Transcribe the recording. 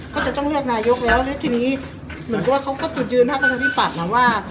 เขาจะต้องเลือกนายกแล้วแล้วทีนี้เหมือนกับว่าเขาก็จุดยืนพักประชาธิปัตย์นะว่า